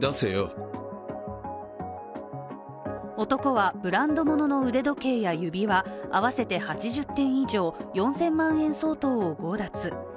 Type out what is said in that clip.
男はブランドものの腕時計や指輪合わせて８０点以上４０００万円以上を強奪。